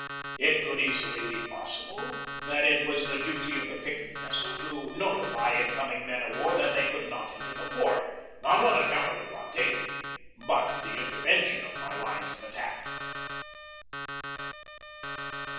It could easily be possible that it was the duty of the picket vessel to notify incoming men of war that they could not enter the port, not on account of the blockade, but the intervention of my lines of attack."